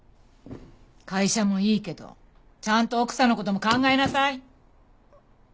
会社もいいけどちゃんと奥さんの事も考えなさい！